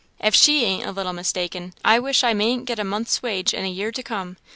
If she ain't a little mistaken, I wish I mayn't get a month's wages in a year to come.